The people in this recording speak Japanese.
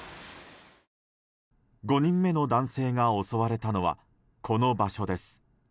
５人目の男性が襲われたのはこの場所です。